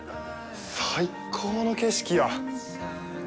最高の景色や。